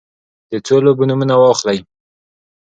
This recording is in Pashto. د څو لوبو نومونه واخلی ؟